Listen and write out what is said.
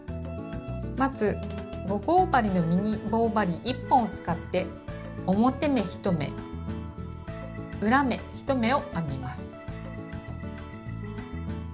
まず５号針のミニ棒針１本を使って表目１目裏目１目を編みます。